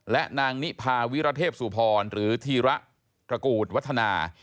และนางนิพาวิรเทพสุพรหรือธีระตระกูลวัฒนา